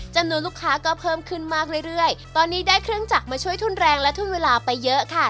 จำนวนลูกค้าก็เพิ่มขึ้นมากเรื่อยเรื่อยตอนนี้ได้เครื่องจักรมาช่วยทุนแรงและทุนเวลาไปเยอะค่ะ